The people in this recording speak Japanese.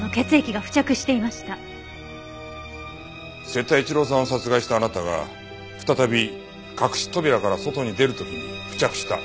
瀬田一郎さんを殺害したあなたが再び隠し扉から外に出る時に付着した。